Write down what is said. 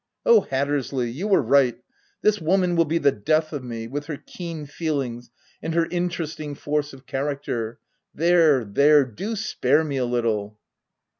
Oh, Hattersley ! you were right ; this woman will be the death of me, with her keen feelings and her interesting force of character — There, there, do spare me a little."